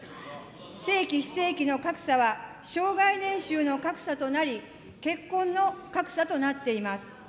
正規・非正規の格差は、生涯年収の格差となり、結婚の格差となっています。